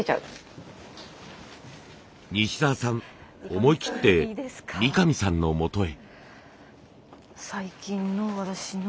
西澤さん思い切って三上さんのもとへ。